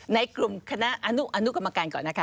ในกลุ่มคณะอนุกรรมการก่อนนะคะ